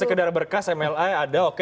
tidak sekedar berkas mla ada oke